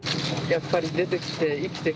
やっぱり出て来て。